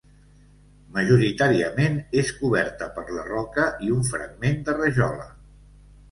Majoritàriament és coberta per la roca i un fragment de rajola.